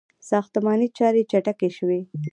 • ساختماني چارې چټکې شوې.